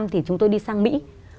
thì chúng tôi đi sang mỹ